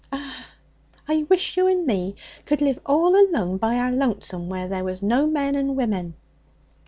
'Eh! I wish you and me could live all alone by our lonesome where there was no men and women.'